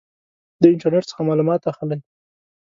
د انټرنټ څخه معلومات اخلئ؟